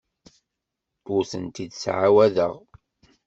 Ur tent-id-ttɛawadeɣ.